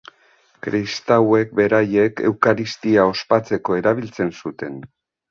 Kristauek beraiek Eukaristia ospatzeko erabiltzen zuten.